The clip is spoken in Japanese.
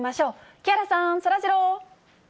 木原さん、そらジロー。